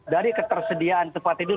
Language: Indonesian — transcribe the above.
dari ketersediaan tempat tidur